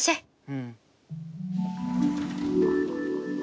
うん。